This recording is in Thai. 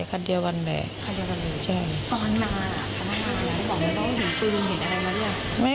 ใช่คันเดียวกันแหละคันเดียวกันเลยใช่